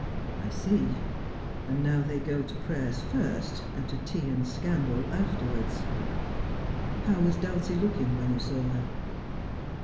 ' I see. And now they go to prayers first, and to tea and scandal afterwards. How was Dulcie looking when you saw her?'